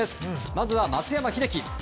まずは松山英樹。